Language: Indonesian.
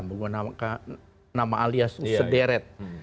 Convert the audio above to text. bukan nama alias sederet